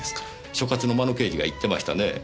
所轄の真野刑事が言ってましたねえ。